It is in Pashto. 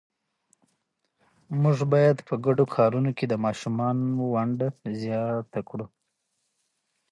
موږ باید په ګډو کارونو کې د ماشومانو ونډه زیات کړو